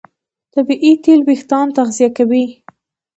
طبیعي تېل وېښتيان تغذیه کوي.